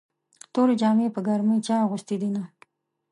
تورې جامې په ګرمۍ چا اغوستې دينه